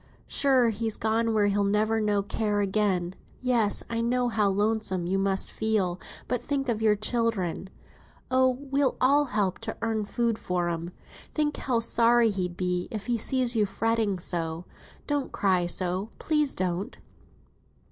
Sure he's gone where he'll never know care again. Yes, I know how lonesome you must feel; but think of your children. Oh! we'll all help to earn food for 'em. Think how sorry he'd be, if he sees you fretting so. Don't cry so, please don't."